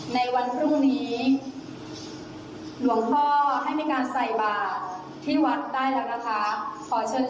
ในวันพรุ่งนี้หลวงพ่อให้มีการใส่บาทที่วัดได้แล้วนะคะ